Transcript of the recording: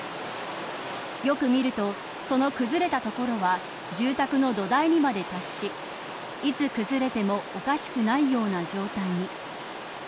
よく見ると、その崩れた所は住宅の土台にまで達しいつ崩れてもおかしくないような状態に。